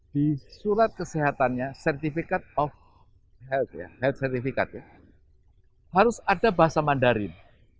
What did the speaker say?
di surat kesehatannya certificate of health ya health certificate ya harus ada bahasa mandarin